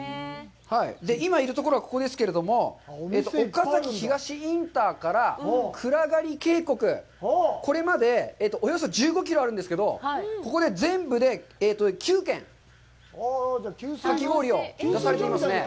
今いるところがここですけれども、岡崎東インターから、くらがり渓谷、これまでおよそ１５キロあるんですけど、ここで全部で９軒、かき氷を出されていますね。